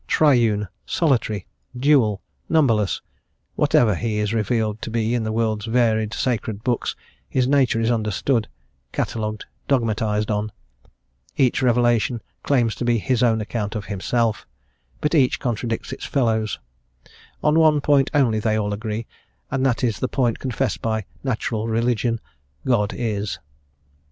Triune, solitary, dual, numberless, whatever He is revealed to be in the world's varied sacred books, His nature is understood, catalogued, dogmatised on; each revelation claims to be His own account of Himself; but each contradicts its fellows; on one point only they all agree, and that is the point confessed by natural religion "God is."